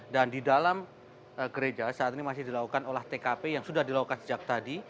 dan di dalam gereja saat ini masih dilakukan olah tkp yang sudah dilakukan sejak tadi